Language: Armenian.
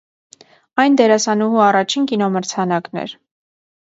Այն դերասանուհու առաջին կինոմրցանակն էր։